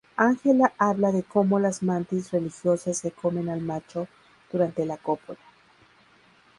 Angela Habla de cómo las mantis religiosas se comen al macho durante la cópula.